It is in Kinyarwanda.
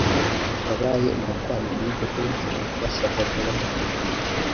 yabaye umutambyi bidaturutse ku byasabwaga n ‘amategeko .